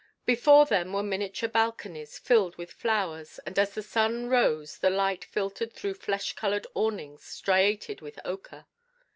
Before them were miniature balconies filled with flowers, and as the sun rose the light filtered through flesh colored awnings striated with ochre.